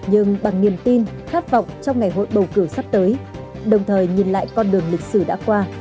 nhưng bằng niềm tin khát vọng trong ngày hội bầu cử sắp tới đồng thời nhìn lại con đường lịch sử đã qua